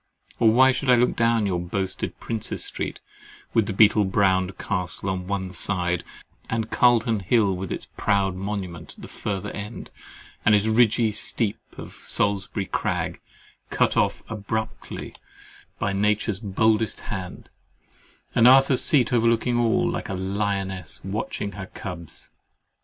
Or why should I look down your boasted Prince's Street, with the beetle browed Castle on one side, and the Calton Hill with its proud monument at the further end, and the ridgy steep of Salisbury Crag, cut off abruptly by Nature's boldest hand, and Arthur's Seat overlooking all, like a lioness watching her cubs?